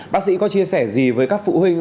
bác sĩ có chia sẻ gì với các phụ huynh